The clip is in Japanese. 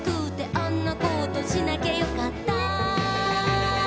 「あんなことしなきゃよかったな」